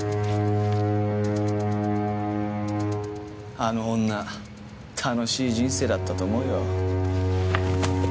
あの女楽しい人生だったと思うよ。